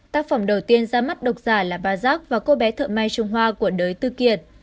tác phẩm đầu tiên ra mắt độc giả là ba giác và cô bé thợ mai trung hoa của đới tư kiệt